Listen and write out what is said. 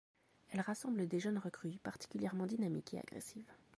Elle rassemble des jeunes recrues particulièrement dynamiques et agressives.